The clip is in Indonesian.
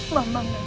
mama gak terima